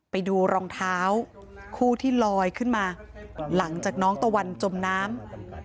ไปดูรองเท้าคู่ที่ลอยขึ้นมาหลังจากน้องตะวันจมน้ำ